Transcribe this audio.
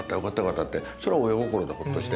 ってそれは親心でほっとして。